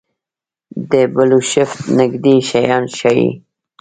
د بلوشفټ نږدې شیان ښيي.